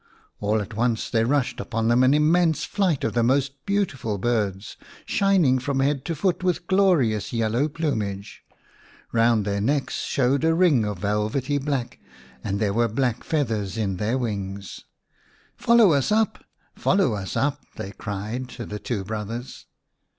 All at once there rushed upon them an immense flight of the most beautiful birds, shining from head to foot with glorious yellow plumage. Kound their necks showed a ring of velvety black, and there were black feathers in their wings. " Follow us up ! Follow us up !" they cried to the two brothers.